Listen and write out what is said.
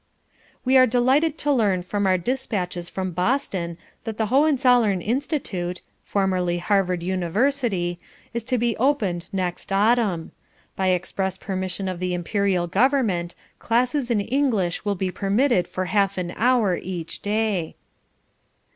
We are delighted to learn from our despatches from Boston that the Hohenzollern Institute (formerly Harvard University) is to be opened next autumn. By express permission of the Imperial Government, classes in English will be permitted for half an hour each day.